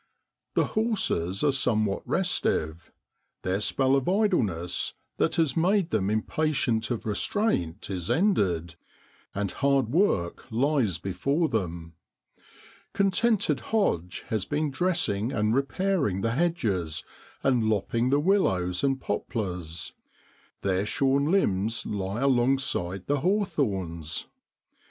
The horses are some what restive ; their spell of idleness, that has made them impatient of restraint, is ended, and hard work lies before them. Contented Hodge has been dressing and repairing the hedges, and lopping the willows and poplars; their shorn limbs lie alongside the hawthorns.